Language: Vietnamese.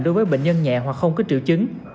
đối với bệnh nhân nhẹ hoặc không có triệu chứng